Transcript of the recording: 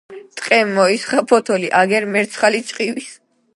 ტყემ მოისხა ფოთოლი აგერ მერცხალი ჭყივის